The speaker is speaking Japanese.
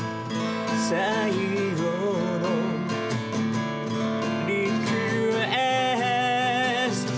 「最後のリクエスト」